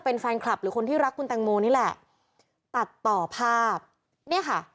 เป็นแฟนคลับหรือคนที่รักคุณแตงโมนี่แหละตัดต่อภาพเนี่ยค่ะ